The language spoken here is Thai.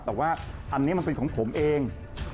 แต่ว่าอันนี้มันเป็นของผมเอง